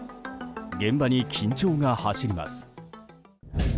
現場に緊張が走ります。